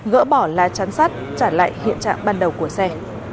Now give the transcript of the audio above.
gỡ bỏ lá chắn sắt trả lại hiện trạng ban đầu của xe